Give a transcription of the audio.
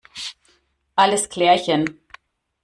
Alles klärchen!